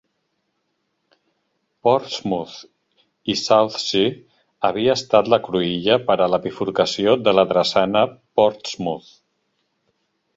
Portsmouth i Southsea havia estat la cruïlla per a la bifurcació de la drassana Portsmouth.